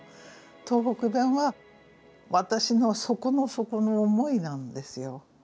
東北弁は私の底の底の思いなんですよ。